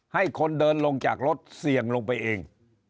ให้คนเดินลงจากรถเสี่ยงลงไปเอง